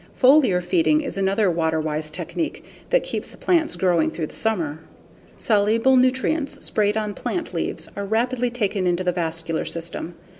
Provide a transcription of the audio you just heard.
Foliar feeding is another water wise technique that keeps plants growing through the summer. Soluble nutrients sprayed on plant leaves are rapidly taken into the vascular system.